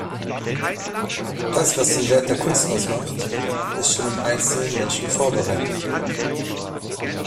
Das, was den Wert der Kunst ausmacht, ist schon im einzelnen Menschen vorbereitet.